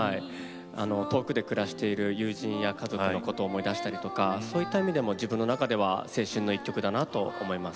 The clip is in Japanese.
遠くで暮らしている友人や家族を思い出したりとかそういった意味でも自分の中では青春の一曲だと思います。